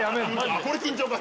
「ああこれ緊張か」